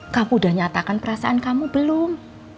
kamu sudah nyatakan perasaan kamu belum